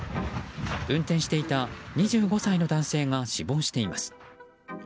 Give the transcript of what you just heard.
運転していた２５歳の男性が死亡しています。